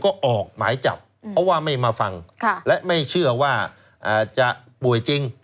ก็ออกหมายจับเพราะว่าไม่มาฟังและไม่เชื่อว่าจะป่วยจริง